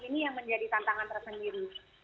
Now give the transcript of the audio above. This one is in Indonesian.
ini yang menjadi tantangan tersendiri